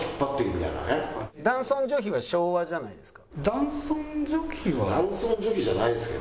「男尊女卑は昭和じゃないですか」。